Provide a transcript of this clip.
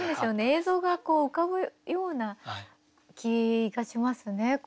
映像がこう浮かぶような気がしますね。